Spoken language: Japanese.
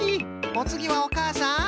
おつぎはおかあさん。